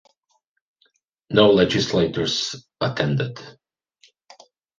No legislators attended.